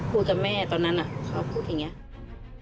กับแม่ตอนนั้นเขาพูดอย่างนี้